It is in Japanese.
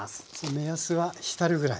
目安は浸るぐらい。